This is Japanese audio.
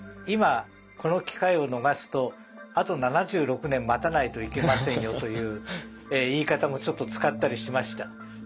今この機会を逃すとあと７６年待たないといけませんよという言い方もちょっと使ったりしました。